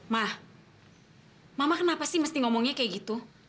mah mama kenapa sih mesti ngomongnya kayak gitu